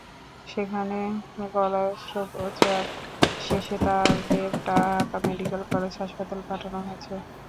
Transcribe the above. সেখানে গলায় অস্ত্রোপচার শেষে তাঁদের ঢাকা মেডিকেল কলেজ হাসপাতালে পাঠানো হয়েছে।